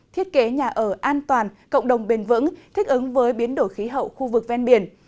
thiết kế nhà ở an toàn cộng đồng bền vững thích ứng với biến đổi khí hậu khu vực ven biển